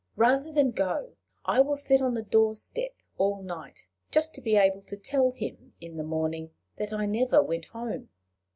Rather than go, I will sit on the door step all night, just to be able to tell him in the morning that I never went home."